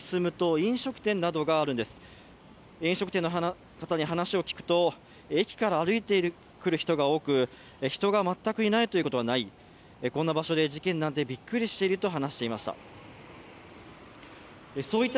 飲食店の方に話を聞くと駅から歩いてくる人が多く人が全くいないということはない、こんな場所で事件なんてびっくりしていると話していました。